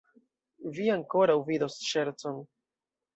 Vi ankoraŭ vidos ŝercon!